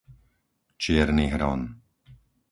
Čierny Hron